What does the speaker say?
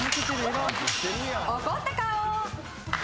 怒った顔。